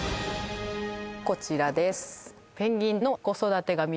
こちらです